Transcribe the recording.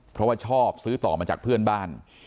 เพราะว่าชอบซื้อต่อมาจากเพื่อนบ้าน